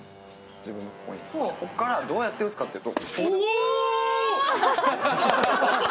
ここからどうやってうつかというと。